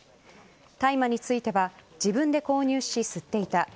大麻については自分で購入し、吸っていた。